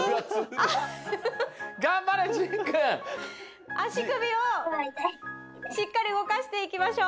あしくびをしっかりうごかしていきましょう。